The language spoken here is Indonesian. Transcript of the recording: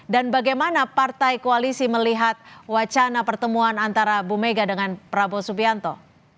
dan bagaimana partai koalisi melihat wacana pertemuan antara ibu mega dengan prabowo subianto